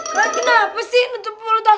ah ah kenapa sih menutup mulut aku